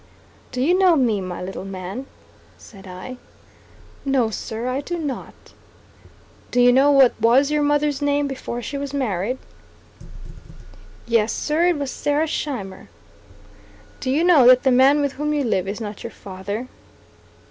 "Do you know me, my little man?" said I. "No, sir, I do not." "Do you know what was your mother's name before she was married?" "Yes Sir, it was Sarah Scheimer." "Do you know that the man with whom you live is not your rather?"